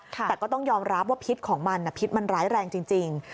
แต่ก็ต้องยอมรับว่าพิษของมันพิษมันร้ายแรงจริง